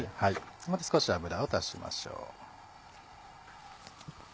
また少し油を足しましょう。